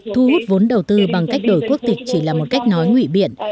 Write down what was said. thu hút vốn đầu tư bằng cách đổi quốc tịch chỉ là một cách nói ngụy biện